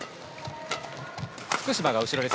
福島が後ろです